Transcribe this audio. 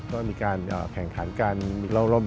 ก็มีการแข่งขันการลองรอบ